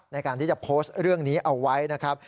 ในการที่จะโพสต์เรื่องนี้เอาไว้นะครับ